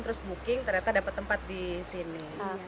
terus booking ternyata dapat tempat di sini